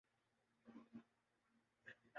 doctor اس کٹ میں کیسے محسوس کرتے رہیں گے